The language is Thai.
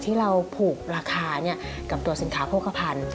ที่เราผูกราคากับตัวสินค้าโภคภัณฑ์